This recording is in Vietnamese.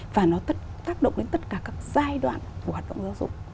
và nó tác động đến tất cả các giai đoạn của hoạt động giáo dục